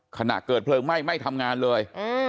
ขณะเกิดเพลิงไหม้ไม่ทำงานเลย